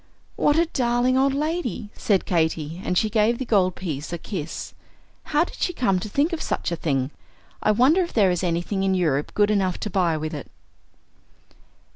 "What a darling old lady!" said Katy; and she gave the gold piece a kiss. "How did she come to think of such a thing? I wonder if there is anything in Europe good enough to buy with it?"